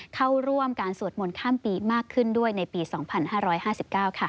เข้าร่วมการสวดมนต์ข้ามปีมากขึ้นด้วยในปี๒๕๕๙ค่ะ